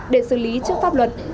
để xử lý trước pháp luật